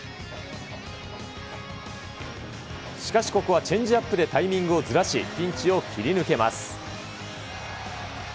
しかし、ここはチェンジアップでタイミングをずらし、ピンチを切り抜けます。